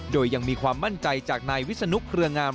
โดยยังมีความมั่นใจจากนายวิศนุเครืองาม